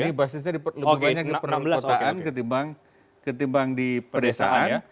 ini basisnya lebih banyak di perkotaan ketimbang di pedesaan